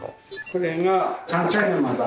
これが。